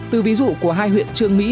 từ ví dụ của hai huyện trương mỹ